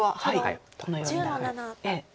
このようになる。